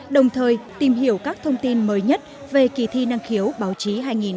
đồng thời tìm hiểu các thông tin mới nhất về kỳ thi năng khiếu báo chí hai nghìn một mươi chín